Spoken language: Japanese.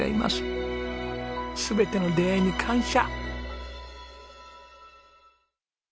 全ての出会いに感謝！